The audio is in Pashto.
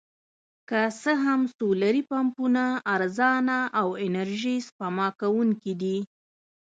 که څه هم سولري پمپونه ارزانه او انرژي سپما کوونکي دي.